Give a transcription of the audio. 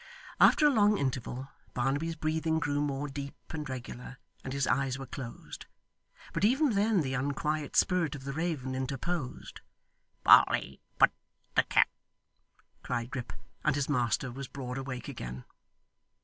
After a long interval, Barnaby's breathing grew more deep and regular, and his eyes were closed. But even then the unquiet spirit of the raven interposed. 'Polly put the ket ' cried Grip, and his master was broad awake again.